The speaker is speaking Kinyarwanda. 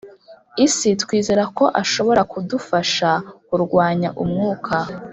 Isi twizera ko ashobora kudufasha kurwanya umwuka